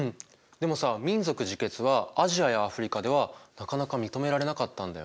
でもさ民族自決はアジアやアフリカではなかなか認められなかったんだよね。